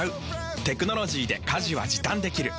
テクノロジーで家事は時短できる。